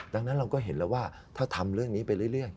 ดังนั้นเราก็เห็นแล้วว่าถ้าทำเรื่องนี้ไปเรื่อย